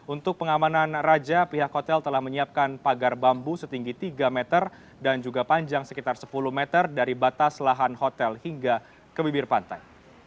untuk pengamanan raja pihak hotel telah menyiapkan pagar bambu setinggi tiga meter dan juga panjang sekitar sepuluh meter dari batas lahan hotel hingga ke bibir pantai